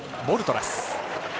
ボルトラス。